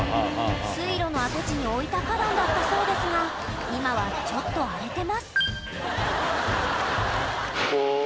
水路の跡地に置いた花壇だったそうですが今はちょっと荒れてます